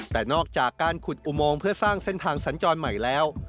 แต่นอกจากการขุดอุโมงเพื่อสร้างเส้นทางสัญจรใหม่แล้ว